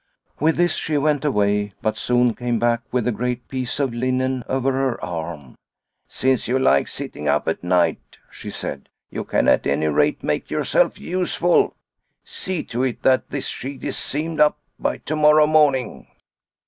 With this she went away, but soon came back with a great piece of linen over her arm. " Since you like sitting up at night," she said, " you can at any rate make yourself useful. See to it that this sheet is seamed up by to morrow morning."